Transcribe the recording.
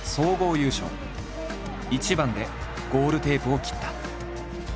一番でゴールテープを切った。